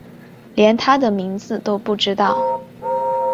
连他的名字都不知道